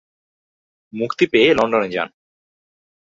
মুক্তি পেয়ে লন্ডনে যান।